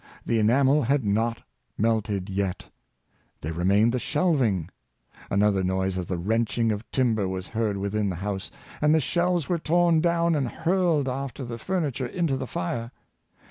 The enamel had not melted yet! There remained the shelving. Discovers the Enamel, 199 Another noise of the wrenching of timber was heard within the house, and the shelves were torn down and hurled after the furniture into the fire.